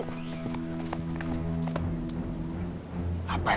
apa emeh lupa ya